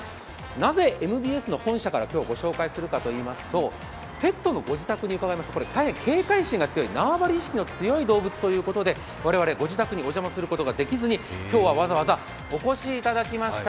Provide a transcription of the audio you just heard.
なぜＭＢＳの本社から今日ご紹介するかといいますと、ペットのご自宅に伺いますと大変警戒心が強い、縄張り意識の強い動物ということで我々、ご自宅にお邪魔することができずに今日はわざわざお越しいただきました。